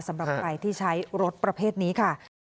สำหรับใครที่ใช้รถประเภทนี้ค่ะ